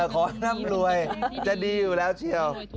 ขอร่ำรวยจะดีอยู่แล้วเชียว